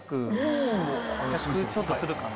１００ちょっとするかな。